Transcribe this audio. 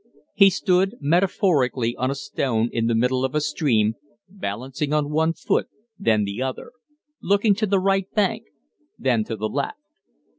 He stood, metaphorically, on a stone in the middle of a stream, balancing on one foot, then the other; looking to the right bank, then to the left.